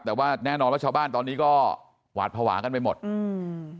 แต่ว่าแน่นอนว่าชาวบ้านตอนนี้ก็หวาดภาวะกันไปหมดอืม